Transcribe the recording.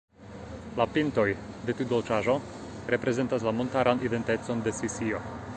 La "pintoj" de tiu dolĉaĵo reprezentas la montaran identecon de Svisio.